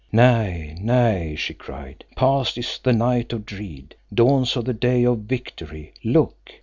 "Nay, nay," she cried. "Past is the night of dread; dawns the day of victory! Look!"